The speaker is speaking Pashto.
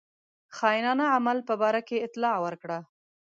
خاینانه عمل په باره کې اطلاع ورکړه.